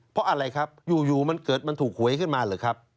เพราะอะไรครับอยู่มันเกิดมันถูกหวยขึ้นมาหรือครับ